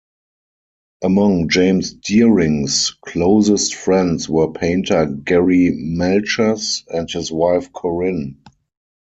Among James Deering's closest friends were painter Gari Melchers and his wife Corinne.